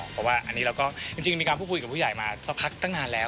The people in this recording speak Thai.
เพราะว่าอันนี้เราก็จริงมีการพูดคุยกับผู้ใหญ่มาสักพักตั้งนานแล้ว